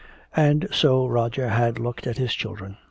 And so Roger had looked at his children.